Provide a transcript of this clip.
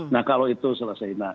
nah kalau itu selesai